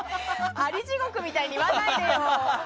あり地獄みたいに言わないでよ！